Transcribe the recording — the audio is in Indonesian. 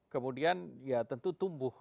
kemudian ya tentu tumbuh